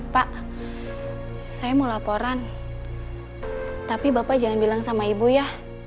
pak saya mau laporan tapi bapak jangan bilang sama ibu ya